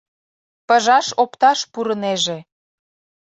Пыжаш опташ пурынеже.